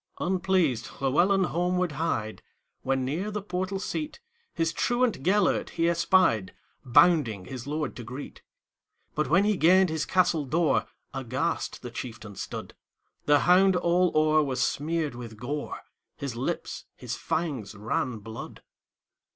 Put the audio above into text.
Unpleased Llewelyn homeward hied, When, near the portal seat, His truant Gêlert he espied, Bounding his lord to greet. But, when he gained his castle door, Aghast the chieftain stood; The hound all o'er was smeared with gore, His lips, his fangs, ran blood.